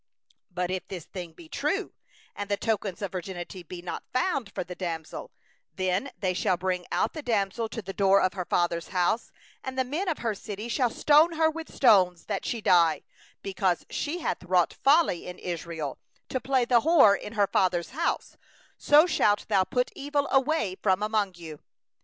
20But if this thing be true, that the tokens of virginity were not found in the damsel; 21then they shall bring out the damsel to the door of her father's house, and the men of her city shall stone her with stones that she die; because she hath wrought a wanton deed in Israel, to play the harlot in her father's house; so shalt thou put away the evil from the midst of thee.